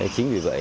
chính vì vậy